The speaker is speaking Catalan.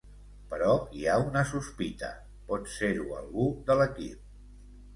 Però hi ha una sospita: pot ser-ho algú de l’equip.